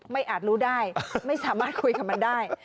อาจรู้ได้ไม่สามารถคุยกับมันได้